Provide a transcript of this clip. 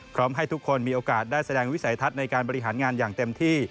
ให้ทุกคนมีโอกาสได้แสดงวิสัยทัศน์ในการบริหารงานอย่างเต็มที่